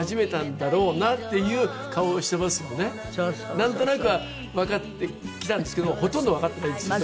なんとなくはわかってきたんですけどもほとんどわかってないんですよ。